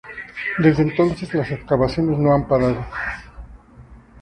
Desde entonces las excavaciones no han parado.